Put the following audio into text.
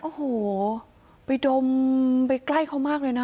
โอ้โหไปดมไปใกล้เขามากเลยนะ